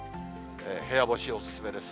部屋干しお勧めです。